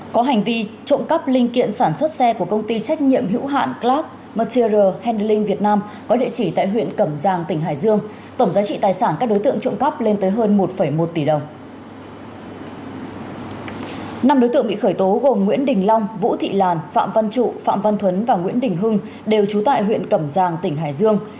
có hành vi trộm cắp linh kiện sản xuất xe của công ty trách nhiệm hữu hạn clark material handling việt nam có địa chỉ tại huyện cẩm giang tỉnh hải dương